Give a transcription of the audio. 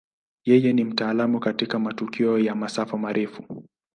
Yeye ni mtaalamu katika matukio ya masafa marefu.